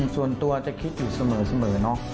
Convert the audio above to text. ส่วนตัวจะคิดอยู่เสมอเนอะ